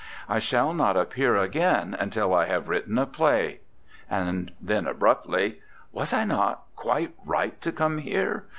I shall not appear again until I have written a play." And then, abruptly: "Was I not quite right to come here?